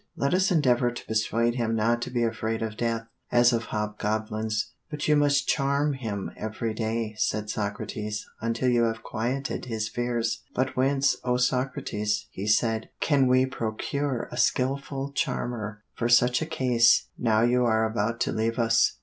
Let us endeavor to persuade him not to be afraid of death, as of hobgoblins.' "'But you must charm him every day,' said Socrates, 'until you have quieted his fears.' "'But whence, O Socrates,' he said, 'can we procure a skilful charmer for such a case, now you are about to leave us.'